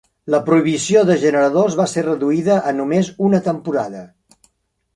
La prohibició de generadors va ser reduïda a només una temporada.